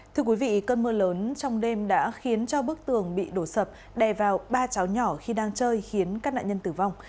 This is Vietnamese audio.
thưa quý vị cơn mưa lớn trong đêm đã khiến cho bức tường bị đổ sập đè vào ba cháu nhỏ khi đang chơi khiến các nạn nhân tử vong